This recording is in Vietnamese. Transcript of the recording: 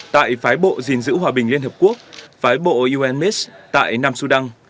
tại phái bộ gìn giữ hòa bình liên hợp quốc phái bộ unmis tại nam sudan